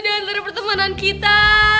diantara pertemanan kita